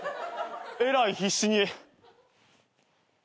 えらい必死に。